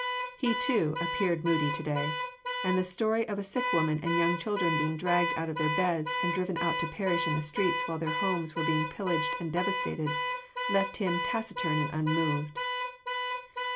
He, too, appeared moody to day, and the story of sick women and young children being dragged out of their beds and driven out to perish in the streets while their homes were being pillaged and devastated, left him taciturn and unmoved.